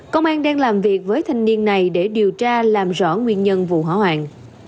công an đang làm việc với thanh niên này để điều tra làm rõ nguyên nhân vụ hỏa hoạn